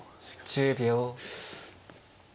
１０秒。